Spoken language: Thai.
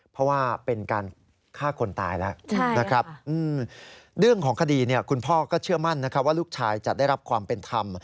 เพราะว่าเป็นการฆ่าคนตายแล้วนะครับเรื่องของคดีคุณพ่อก็เชื่อมั่นนะครับว่าลูกชายจะได้รับความเป็นธรรม